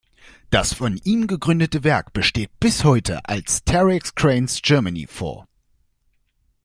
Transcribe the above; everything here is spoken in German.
Das von ihm gegründete Werk besteht bis heute als Terex Cranes Germany fort.